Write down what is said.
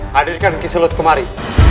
hadirkan kiselut kemari